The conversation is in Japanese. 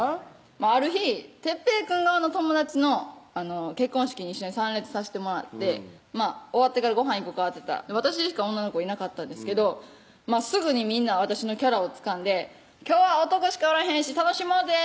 ある日哲平くん側の友達の結婚式に一緒に参列さしてもらって終わってから「ごはん行こか」って言ったら私しか女の子いなかったんですけどすぐにみんな私のキャラをつかんで「今日は男しかおらへんし楽しもうぜ！」